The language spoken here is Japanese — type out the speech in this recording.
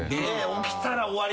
起きたら終わり。